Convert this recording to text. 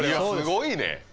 すごいね。